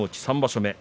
３場所目